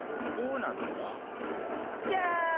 どうなるんだ？じゃん！